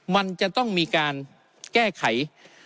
มันจะต้องมีการแก้ไข